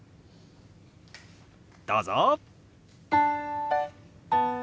どうぞ！